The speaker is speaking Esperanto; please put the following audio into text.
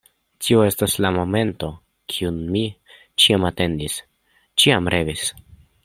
Tio estas la momento, kiun mi ĉiam atendis, ĉiam revis.